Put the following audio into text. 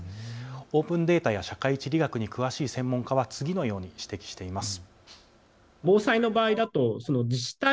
オープンデータや社会地理学に詳しい専門家は次のように指摘しています。